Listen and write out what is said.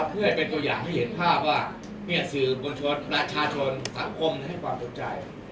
เพื่อให้เป็นตัวอย่างให้เห็นภาพว่าสื่อมวลชนประชาชนสังคมให้ความสนใจ